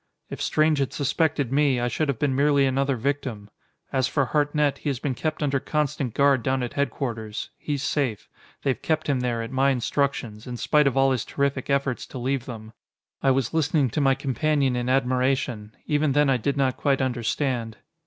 If Strange had suspected me, I should have been merely another victim. As for Hartnett, he has been under constant guard down at headquarters. He's safe. They've kept him there, at my instructions, in spite of all his terrific efforts to leave them." I was listening to my companion in admiration. Even then I did not quite understand.